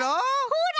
ほら！